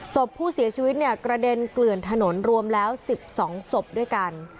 ศพผู้เสียชีวิตเนี่ยกระเด็นเกลื่อนถนนรวมแล้ว๑๒ศพด้วยกัน